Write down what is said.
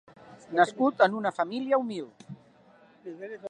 Nascut en una família humil.